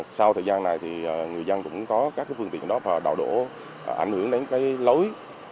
sau thời gian này thì người dân cũng có các cái phương tiện đó và đạo đổ ảnh hưởng đến cái lối